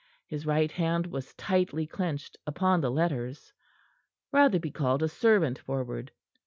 His right hand was tightly clenched upon the letters. Rotherby called a servant forward.